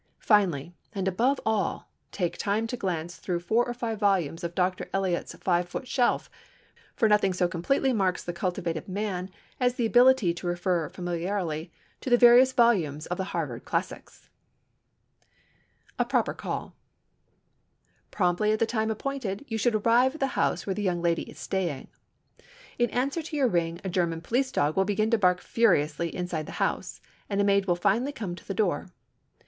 Finally, and above all, take time to glance through four or five volumes of Dr. Eliot's Five Foot Shelf, for nothing so completely marks the cultivated man as the ability to refer familiarly to the various volumes of the Harvard classics. A PROPER CALL Promptly at the time appointed you should arrive at the house where the young lady is staying. In answer to your ring a German police dog will begin to bark furiously inside the house, and a maid will finally come to the door.